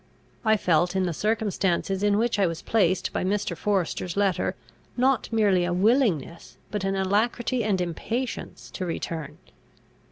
I felt, in the circumstances in which I was placed by Mr. Forester's letter, not merely a willingness, but an alacrity and impatience, to return.